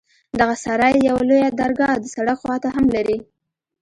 دغه سراى يوه لويه درګاه د سړک خوا ته هم لري.